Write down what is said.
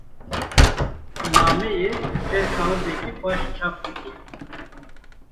Nameyê li ser kaxezeke baş çap bike.